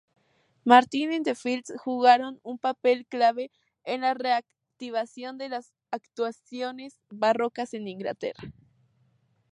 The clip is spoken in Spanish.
Martin-in-the-Fields, jugaron un papel clave en la reactivación de las actuaciones barrocas en Inglaterra.